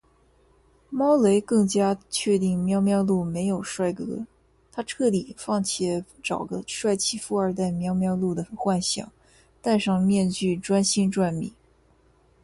猫雷更加确定喵喵露没有帅哥，她彻底放弃找个帅气富二代喵喵露的幻想，戴上面具专心赚米